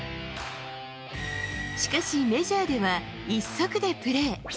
しかしメジャーでは一足でプレー。